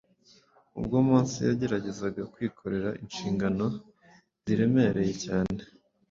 ubwo Mose yageragezaga kwikorera inshingano ziremereye cyane